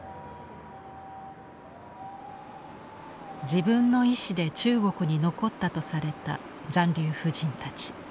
自分の意思で中国に残ったとされた残留婦人たち。